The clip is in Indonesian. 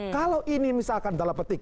kalau ini misalkan dalam petik